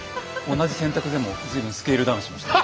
同じ「せんたく」でも随分スケールダウンしましたね。